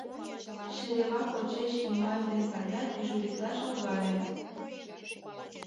Шерева почеш Имаев дене пырля дежуритлаш логале.